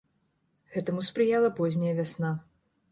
Гэтаму спрыяла позняя вясна.